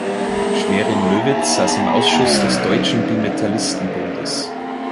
Schwerin-Löwitz saß im Ausschuss des "Deutschen Bimetallisten-Bundes".